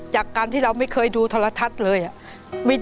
จากการที่เราไม่เคยดูโทรทัศน์เลย